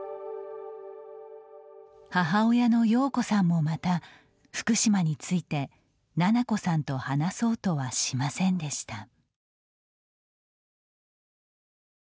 母親の洋子さんもまた福島について、菜々子さんと話そうとはしませんでした。